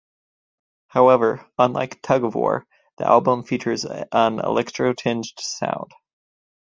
However, unlike "Tug of War", the album features an electro-tinged sound.